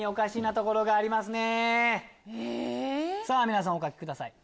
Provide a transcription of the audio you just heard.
皆さんお書きください。